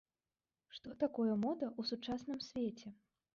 Што такое мода ў сучасным свеце?